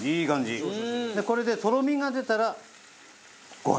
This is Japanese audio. これでとろみが出たらご飯にかけます。